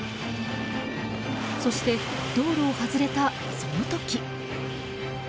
そして、道路を外れたその時。